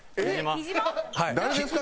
誰ですか？